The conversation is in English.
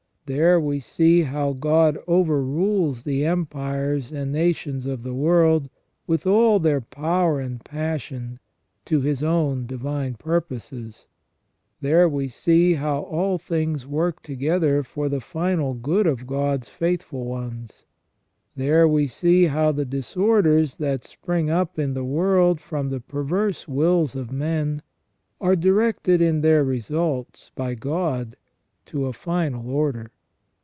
There we see how God overrules the empires and nations of the world with all their power and passion to His own divine purposes. There we see how all things work together for the final good of God's faithful ones. There we see how the disorders that spring up in the world from the perverse wills of men are directed in their results by God to a final order.